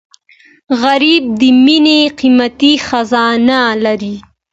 غریب د مینې قیمتي خزانه لري